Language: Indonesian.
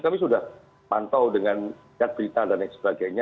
kami sudah mantau dengan cat berita dan lain sebagainya